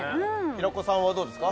平子さんはどうですか？